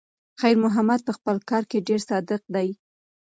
خیر محمد په خپل کار کې ډېر صادق دی.